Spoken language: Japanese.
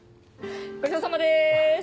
ごちそうさまです！